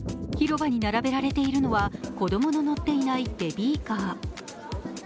広場に並べられているのは子供の乗っていないベビーカー。